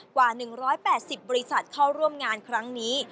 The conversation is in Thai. กว่า๑๘๐บริษัทเข้าร่วมงานครั้งนี้